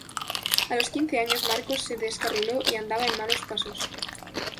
A los quince años Marcos se descarriló y andaba en malos pasos.